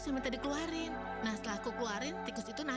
sebentar lagi masuk sekolah